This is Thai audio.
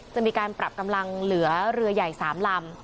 จะมีการปรับกำลังเหลือเรือใหญ่๓ลำ